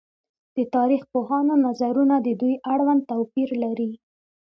د تاريخ پوهانو نظرونه د دوی اړوند توپير لري